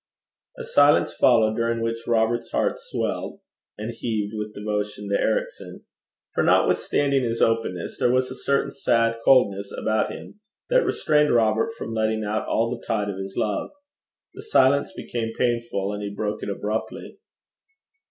A silence followed, during which Robert's heart swelled and heaved with devotion to Ericson; for notwithstanding his openness, there was a certain sad coldness about him that restrained Robert from letting out all the tide of his love. The silence became painful, and he broke it abruptly.